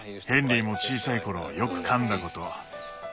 ヘンリーも小さい頃よくかんだこと。